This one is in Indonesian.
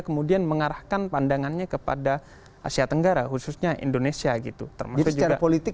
kemudian mengarahkan pandangannya kepada asia tenggara khususnya indonesia gitu termasuk juga politik